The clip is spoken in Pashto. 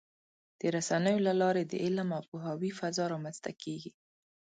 د رسنیو له لارې د علم او پوهاوي فضا رامنځته کېږي.